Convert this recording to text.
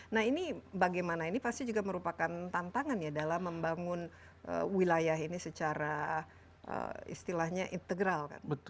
nah ini bagaimana ini pasti juga merupakan tantangan ya dalam membangun wilayah ini secara istilahnya integral kan